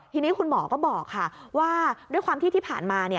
ทีนี้คุณหมอก็บอกค่ะว่าด้วยความที่ที่ผ่านมา